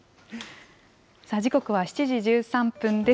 時刻は７時１３分です。